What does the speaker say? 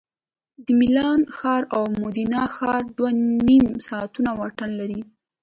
د میلان ښار او مودینا ښار دوه نیم ساعتونه واټن لري